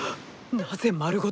なぜ丸ごと